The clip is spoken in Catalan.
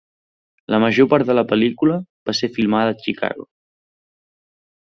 La major part de la pel·lícula va ser filmada a Chicago.